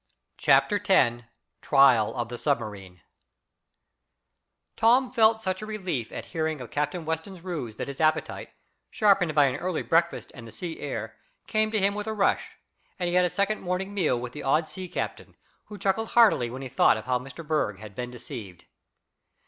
Chapter Ten Trial of the Submarine Tom felt such a relief at hearing of Captain Weston's ruse that his appetite, sharpened by an early breakfast and the sea air, came to him with a rush, and he had a second morning meal with the odd sea captain, who chuckled heartily when he thought of how Mr Berg had been deceived.